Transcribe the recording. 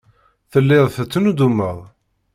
Telliḍ tettnuddumeḍ.